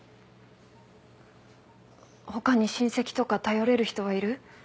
他に親戚とか頼れる人はいる？